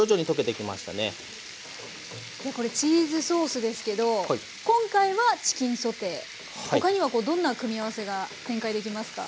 いやこれチーズソースですけど今回はチキンソテー他にはどんな組み合わせが展開できますか？